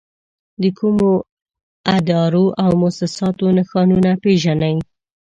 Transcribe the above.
د کومو ادارو او مؤسساتو نښانونه پېژنئ؟